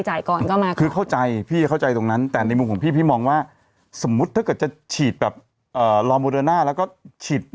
ชีดของเสียเงินไหมไม่รู้เหมือนกันอ่าเดี๋ยวตอบคุณอุ๋ยหน่อย